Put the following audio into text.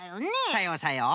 さようさよう。